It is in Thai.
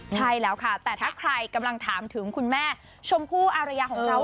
ใช่แล้วค่ะแต่ถ้าใครกำลังถามถึงคุณแม่ชมพู่อารยาของเรา